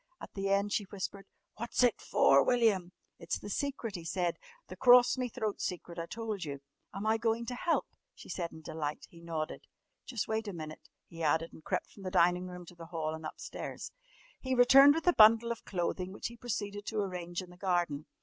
At the end she whispered softly, "What's it for, William?" "It's the secret," he said. "The crorse me throat secret I told you." "Am I going to help?" she said in delight. He nodded. "Jus' wait a minute," he added, and crept from the dining room to the hall and upstairs. He returned with a bundle of clothing which he proceeded to arrange in the garden.